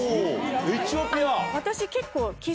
私結構。